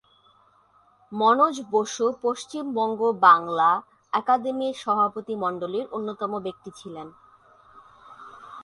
মনোজ বসু পশ্চিমবঙ্গ বাংলা আকাদেমির সভাপতি মণ্ডলীর অন্যতম ব্যক্তি ছিলেন।